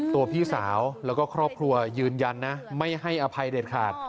พี่สาวแล้วก็ครอบครัวยืนยันนะไม่ให้อภัยเด็ดขาด